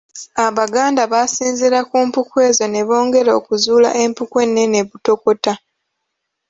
Abaganda baasinziira ku mpuku ezo ne bongera okuzuula empuku ennene Butokota.